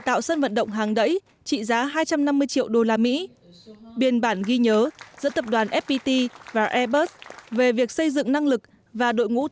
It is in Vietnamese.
tạo sân vận động hàng đẩy trị giá hai trăm năm mươi triệu usd